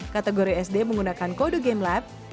kategori sd menggunakan kode gamelab